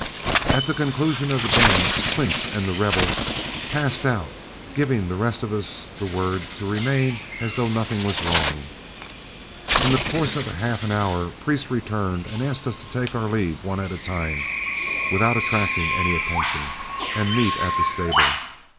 At the conclusion of the dance, Quince and The Rebel passed out, giving the rest of us the word to remain as though nothing was wrong. In the course of half an hour, Priest returned and asked us to take our leave one at a time without attracting any attention, and meet at the stable.